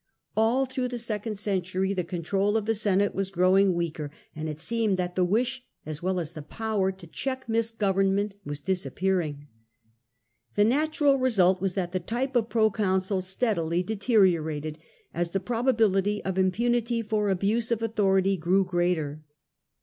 All through the second century the control of the Senate was growing weaker, and it seemed that the wish as well as the power to check misgovernment was disappearing. The natural result was that the type of proconsul steadily deteriorated, as the probability of impunity for abuse of authority grew greater.